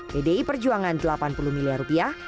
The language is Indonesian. pdi perjuangan delapan puluh miliar rupiah